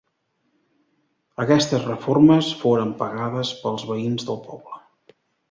Aquestes reformes foren pagades pels veïns del poble.